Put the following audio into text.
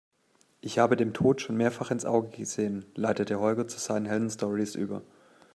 Ich habe dem Tod schon mehrfach ins Auge gesehen, leitete Holger zu seinen Heldenstorys über.